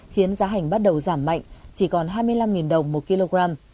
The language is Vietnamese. khiến giá hành bắt đầu giảm mạnh chỉ còn hai mươi năm đồng một kg